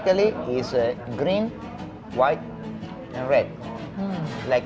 pada dasarnya itu adalah merah putih dan merah